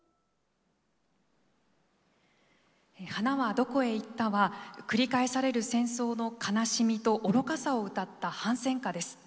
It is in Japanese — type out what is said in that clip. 「花はどこへ行った」は繰り返される戦争の悲しみと愚かさを歌った反戦歌です。